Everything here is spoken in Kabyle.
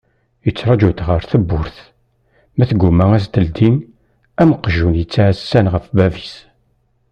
Yettraǧu-tt ɣer tewwurt ma tgumma ad as-teldi am uqjun yettɛassan ɣef bab-is.